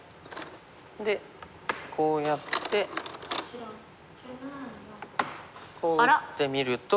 でこうやってこう打ってみると。